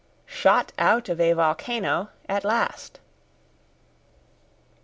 SHOT OUT OF A VOLCANO AT LAST!